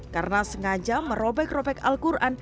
karena sengaja merobek robek al quran